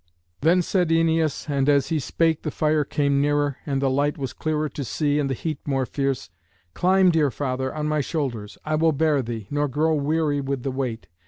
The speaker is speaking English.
Then said Æneas, and as he spake the fire came nearer, and the light was clearer to see, and the heat more fierce, "Climb, dear father, on my shoulders; I will bear thee, nor grow weary with the weight.